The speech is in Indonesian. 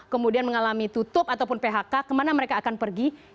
kemudian mengalami tutup ataupun phk kemana mereka akan pergi